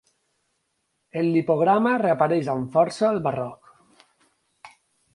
El lipograma reapareix amb força al barroc.